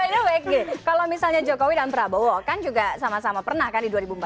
karena wake kalau misalnya jokowi dan prabowo kan juga sama sama pernah kan di dua ribu empat belas